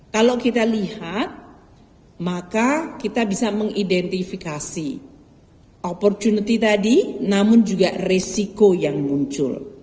kalau kita lihat maka kita bisa mengidentifikasi opportunity tadi namun juga risiko yang muncul